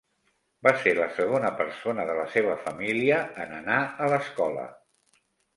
Va ser la segona persona de la seva família en anar a l"escola.